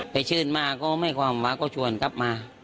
ไปเชิญมาก็ไม่ความว่าก็ชวนกลับมา